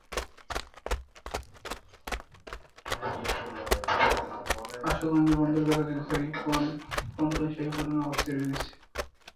আশুগঞ্জ বন্দরের কথা যদি ধরি, পন্টুন সেই পুরোনো অবস্থায় রয়ে গেছে।